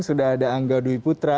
sudah ada angga dwi putra